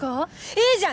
いいじゃん！